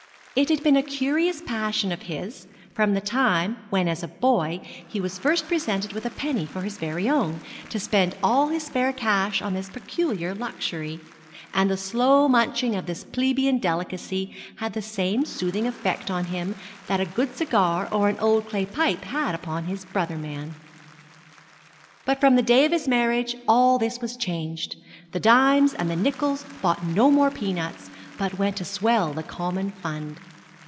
It had been a curious passion of his, from the time when as a boy he was first presented with a penny for his very own, to spend all his spare cash on this peculiar luxury; and the slow munching of this plebeian delicacy had the same soothing effect on him that a good cigar or an old clay pipe had upon his brother man. But from the day of his marriage all this was changed; the dimes and the nickels bought no more peanuts, but went to swell the common fund.